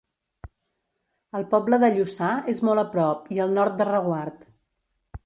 El poble de Lluçà és molt a prop i al nord de Reguard.